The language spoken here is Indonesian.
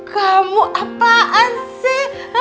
kamu apaan sih